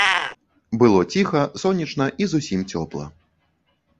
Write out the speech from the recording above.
Было ціха, сонечна і зусім цёпла.